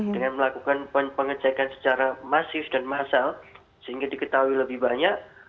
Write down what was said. dengan melakukan pengecekan secara masif dan massal sehingga diketahui lebih banyak